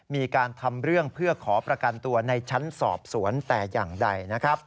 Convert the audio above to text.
มีการทำเรื่องเพื่อขอประกันตัวในชั้นสอบสวนแต่อย่างใด